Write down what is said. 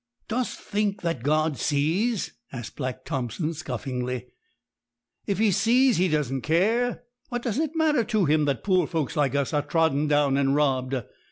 'Dost think that God sees?' asked Black Thompson scoffingly; 'if He sees, He doesn't care. What does it matter to Him that poor folks like us are trodden down and robbed?